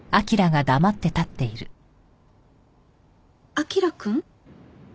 彬くん？